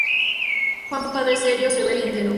Juan fue un padre serio, severo y entero.